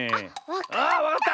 あっわかった！